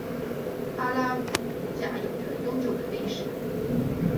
哈拉卜贾有着悠久的历史。